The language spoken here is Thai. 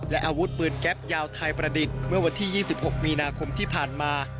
และอาวุธปืนแก๊ปยาวไทยประดิษฐ์เมื่อวันที่๒๖มีนาคมที่ผ่านมา